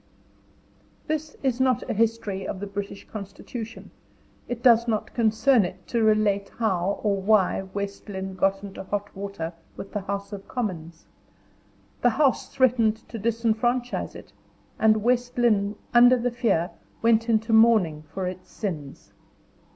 As this is not a history of the British constitution, it does not concern it to relate how or why West Lynne got into hot water with the House of Commons. The House threatened to disfranchise it, and West Lynne under the fear, went into mourning for its sins.